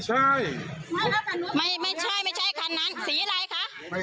ใช่ไม่ใช่ไม่ใช่คันนั้นสีอะไรคะ